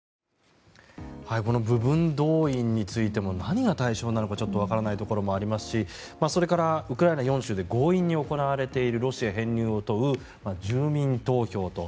この部分動員についても何が対象なのかちょっとわからないところもありますしそれから、ウクライナ４州で強引に行われているロシア編入を問う住民投票と。